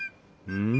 うん？